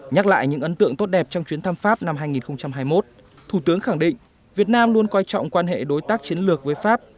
nhắc lại những ấn tượng tốt đẹp trong chuyến thăm pháp năm hai nghìn hai mươi một thủ tướng khẳng định việt nam luôn coi trọng quan hệ đối tác chiến lược với pháp